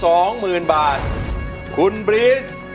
ร้องได้ให้ร้าง